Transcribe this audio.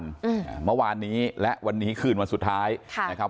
อ่าเมื่อวานนี้และวันนี้คืนวันสุดท้ายค่ะนะครับ